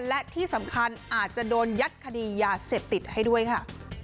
และที่สำคัญอาจจะโดนยัดคดียาเสพติดให้ด้วยค่ะ